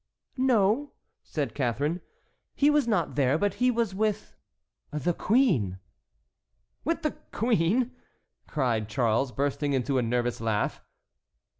"No," said Catharine, "he was not there, but he was with—the queen." "With the queen!" cried Charles, bursting into a nervous laugh.